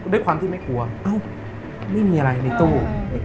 ด้วยความที่ไม่กลัวเอ้าไม่มีอะไรในตู้